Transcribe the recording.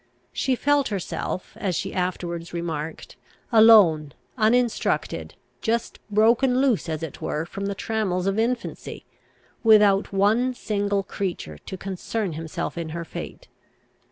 She felt herself, as she afterwards remarked, alone, uninstructed, just broken loose, as it were, from the trammels of infancy, without one single creature to concern himself in her fate.